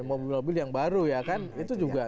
mobil mobil yang baru ya kan itu juga